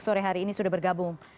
sore hari ini sudah bergabung